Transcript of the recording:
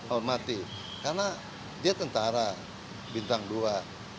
hormati karena dia tentara bintang dua